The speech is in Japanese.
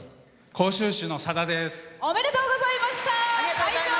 甲州市のさだです。